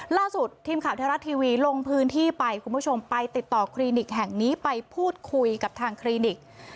ล่าสุดทีมข่าวไทยรัฐทีวีลงพื้นที่ไปคุณผู้ชมไปติดต่อคลินิกแห่งนี้ไปพูดคุยกับทางคลินิก